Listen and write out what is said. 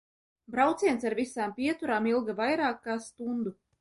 Brauciens ar visām pieturām ilga vairāk kā stundu.